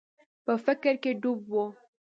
په فکر کي ډوب و.